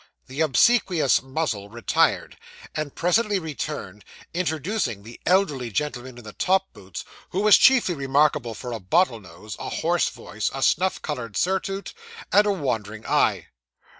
The obsequious Muzzle retired, and presently returned, introducing the elderly gentleman in the top boots, who was chiefly remarkable for a bottle nose, a hoarse voice, a snuff coloured surtout, and a wandering eye.